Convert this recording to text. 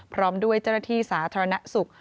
พร้อมด้วยเจรฐีสาธารณสุข